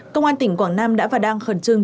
công an tỉnh quảng nam đã và đang khẩn trương